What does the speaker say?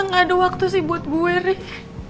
masa gaada waktu sih buat gue rick